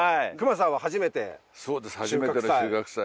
隈さんは初めて収穫祭？